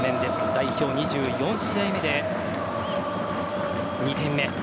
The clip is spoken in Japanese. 代表２４試合目で２点目。